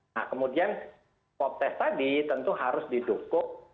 nah kemudian swab test tadi tentu harus didukung